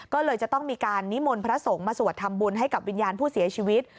ก็เลยจะต้องมีการนิมนต์พระสงฆ์มาสวดทำบุญให้กับวิญญาณผู้เสียชีวิต